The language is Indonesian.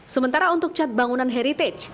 sementara untuk cat bangunan heritage